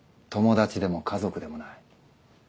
友達でも家族でもない。